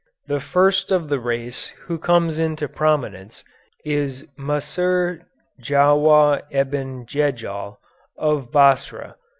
The first of the race who comes into prominence is Maser Djawah Ebn Djeldjal, of Basra.